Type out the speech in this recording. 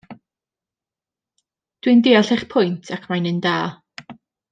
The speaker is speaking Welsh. Dw i'n deall eich pwynt ac mae'n un da.